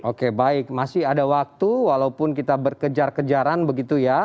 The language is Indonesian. oke baik masih ada waktu walaupun kita berkejar kejaran begitu ya